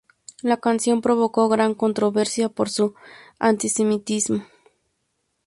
La canción provocó gran controversia por su antisemitismo.